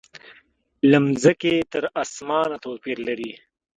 له مځکې تر اسمانه توپیر لري.